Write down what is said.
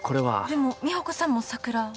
でも美保子さんも桜。